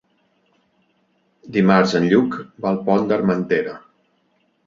Dimarts en Lluc va al Pont d'Armentera.